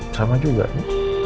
sama juga ya